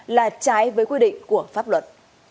là trái với quy định của pháp luật